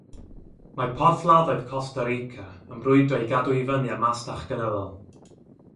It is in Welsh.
Mae porthladdoedd Costa Rica yn brwydro i gadw i fyny â masnach gynyddol.